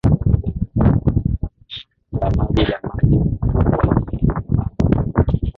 la maji la maji kubwa lenye maji mingi